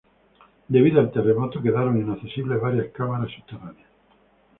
Debido al terremoto, quedaron inaccesibles varias cámaras subterráneas.